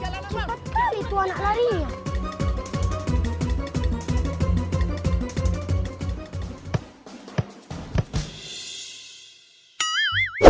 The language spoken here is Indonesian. alamak cepet kali itu anak lari ya